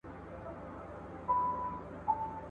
د ماشوم نوکان د خوب وروسته پرې کړئ.